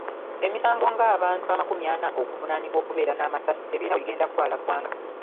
Emisango ng‘abantu amakumi ana okuvunaanibwa okubeera n'amasasi anat ebirina we bigenda kutwala ggwanga .